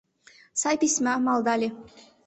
— Сай письма, — малдале.